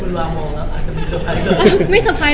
คุณราวมองแล้วอาจจะมีสไฟล์เท่านั้น